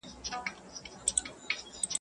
زلمي خوبونو زنګول کیسې به نه ختمېدي.